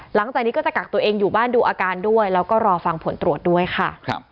หลังจากนี้ก็จะกักตัวเองอยู่บ้านดูอาการด้วยแล้วก็รอฟังผลตรวจด้วยค่ะ